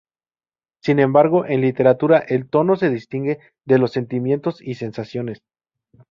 Sin embargo, en literatura el tono se distingue de los sentimientos y sensaciones.